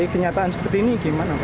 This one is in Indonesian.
kenyataan seperti ini bagaimana